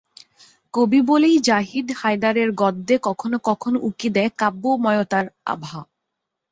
কবি বলেই জাহিদ হায়দারের গদ্যে কখনো কখনো উঁকি দেয় কাব্যময়তার আভা।